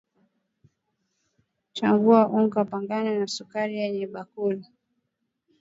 changanya unga wa ngano na sukari kwenye bakuli